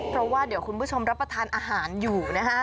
เพราะว่าเดี๋ยวคุณผู้ชมรับประทานอาหารอยู่นะฮะ